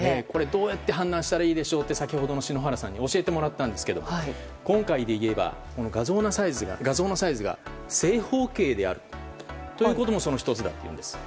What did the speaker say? どうやって判断したらいいでしょうと、篠原さんに教えてもらったんですが今回でいえば画像のサイズが正方形であるということもその１つだというんです。